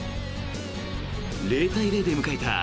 ０対０で迎えた